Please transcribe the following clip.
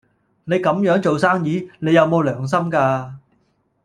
你咁樣做生意，你有冇良心㗎？